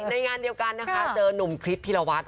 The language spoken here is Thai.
ในงานเดียวกันนะคะเจอนุ่มคลิตพิระวัติ